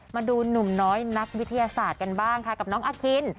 มาดูหนุ่มน้อยนักวิทยาศาสตร์กันบ้างค่ะกับน้องอาคิน